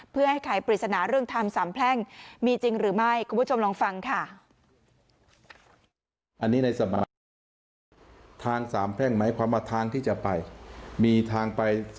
เพื่อให้ขายปริศนาเรื่องทางสามแพร่งมีจริงหรือไม่